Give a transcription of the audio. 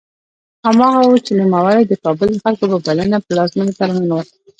هماغه و چې نوموړی د کابل د خلکو په بلنه پلازمېنې ته راننوت.